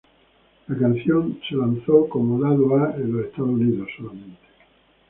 La canción fue lanzada como lado A en los Estados Unidos solamente.